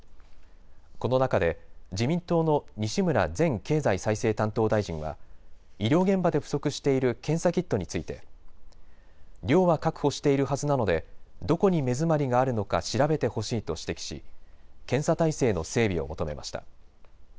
この中で自民党の西村前経済再生担当大臣は医療現場で不足している検査キットについて量は確保しているはずなのでどこに目詰まりがあるのか調べてほしいと指摘し検査体制の整備を求めました。